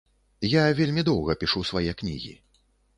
Я вельмі доўга пішу свае кнігі.